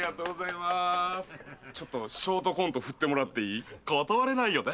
ちょっとショートコント振ってもらっていい？